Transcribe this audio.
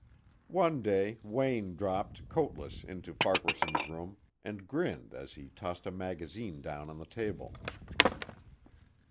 One day Wayne dropped, coatless, into Farquaharson's room and grinned as he tossed a magazine down on the table.